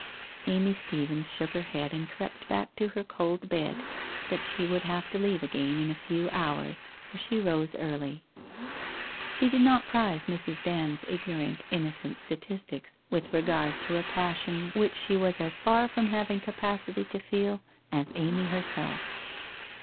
...' Amy Stephens shook her head, and crept back to her cold bed, that she would have to leave again in a few hours, for she rose early. She did not prize Mrs. Dand's ignorant, innocent statistics with regard to a passion which she was as far from having capacity to feel as Amy herself.